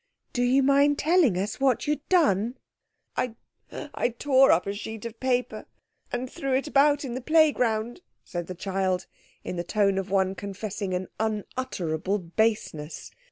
"Do you mind telling us what you'd done?" "I—I tore up a sheet of paper and threw it about in the playground," said the child, in the tone of one confessing an unutterable baseness.